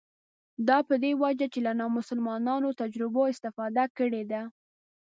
دا په دې وجه چې له نامسلمانو تجربو استفاده کړې ده.